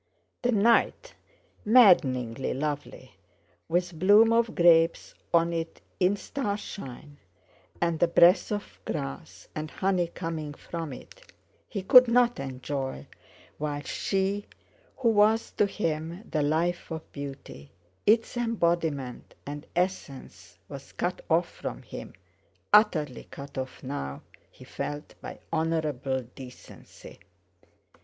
The night, maddeningly lovely, with bloom of grapes on it in starshine, and the breath of grass and honey coming from it, he could not enjoy, while she who was to him the life of beauty, its embodiment and essence, was cut off from him, utterly cut off now, he felt, by honourable decency.